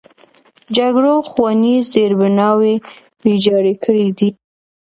جګړو ښوونیز زیربناوې ویجاړې کړي دي.